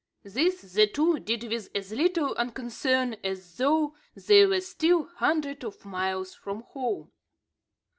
This the two did with as little unconcern as though they were still hundreds of miles from home.